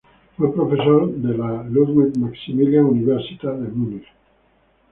Fue profesor en la Ludwig-Maximilians-Universität München.